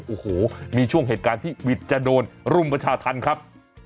โอ้โหมีช่วงเหตุการณ์ที่วิทย์จะโดนรุมประชาธรรมครับ